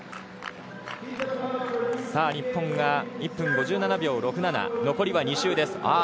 日本が１分５７秒６７残りは２周です。